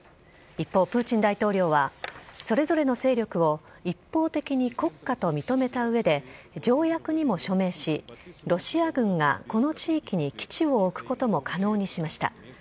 一方、プーチン大統領は、それぞれの勢力を一方的に国家と認めたうえで、条約にも署名し、ロシア軍がこの地域に基地を置くことも可能にしました。